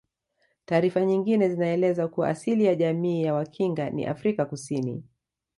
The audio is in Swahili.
Taarifa nyingine zinaeleza kuwa asili ya jamii ya Wakinga ni Afrika Kusini